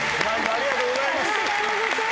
ありがとうございます。